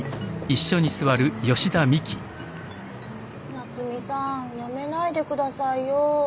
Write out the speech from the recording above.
菜採さん辞めないでくださいよ。